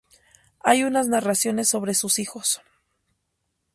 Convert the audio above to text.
Hay unas narraciones sobre sus hijos.